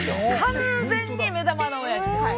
完全に目玉のおやじです。